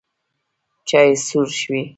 چای سوړ شوی